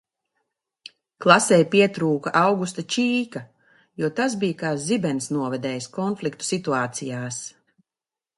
"Klasei pietrūka Augusta Čīka jo tas bija kā "zibens novedējs" konfliktu situācijās."